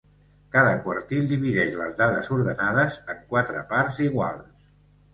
Cada quartil divideix les dades ordenades en quatre parts iguals.